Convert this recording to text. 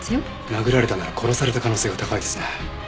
殴られたなら殺された可能性が高いですね。